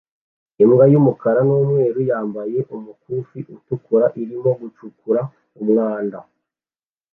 Imbwa y'umukara n'umweru yambaye umukufi utukura irimo gucukura umwanda